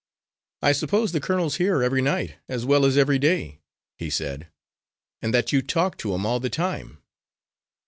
"I suppose the colonel's here every night, as well as every day," he said, "and that you talk to him all the time."